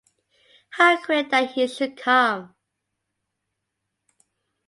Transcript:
How queer that he should come.